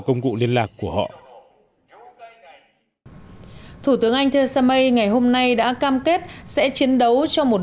công cụ liên lạc của họ thủ tướng anh theresa may ngày hôm nay đã cam kết sẽ chiến đấu cho một